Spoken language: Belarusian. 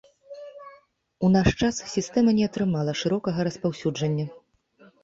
У наш час сістэма не атрымала шырокага распаўсюджання.